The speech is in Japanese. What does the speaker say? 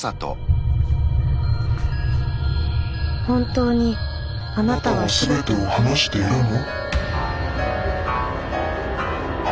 本当にあなたは全てを話しているの？